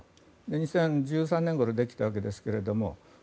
２０１３年ごろできたわけですが。